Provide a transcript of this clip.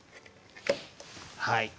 はい。